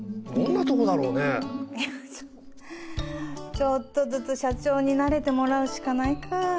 ちょっとずつ社長に慣れてもらうしかないか。